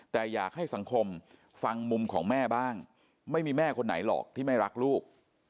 แต่อยากให้สังคมฟังมุมของแม่บ้างไม่มีแม่คนไหนหรอกที่ไม่รักลูก